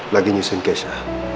lagi nyusin kesha